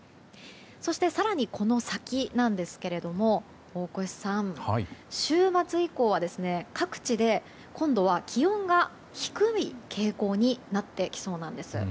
そして、更にこの先なんですが大越さん、週末以降は各地で今度は気温が低い傾向になってきそうです。